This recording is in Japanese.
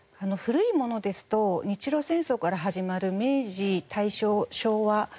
古いものですと日露戦争から始まる明治大正昭和